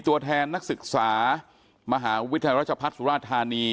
ตัวแทนนักศึกษามหาวิทยาลัยราชพัฒน์สุราธานี